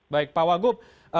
baik pak wagub